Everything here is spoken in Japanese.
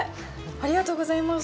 ありがとうございます。